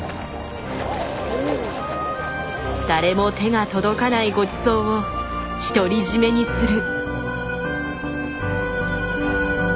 誰も手が届かないごちそうを独り占めにする。